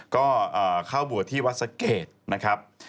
ก็เข้าบวชที่วัดสะเกดนะครับ